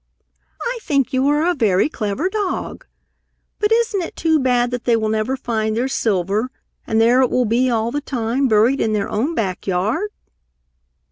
"I think you are a very clever dog. But isn't it too bad that they will never find their silver and there it will be all the time buried in their own back yard!"